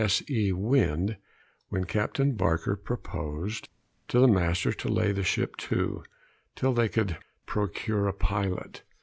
S. E. wind, when Captain Barker proposed to the master to lay the ship to, till they could procure a pilot.